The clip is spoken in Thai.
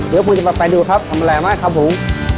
เดี๋ยวคุณจะมาไปดูครับทำอะไรมากครับผม